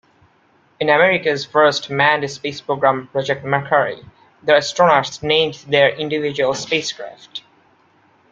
In America's first manned space program Project Mercury, the astronauts named their individual spacecraft.